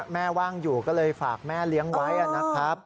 ว่างอยู่ก็เลยฝากแม่เลี้ยงไว้นะครับ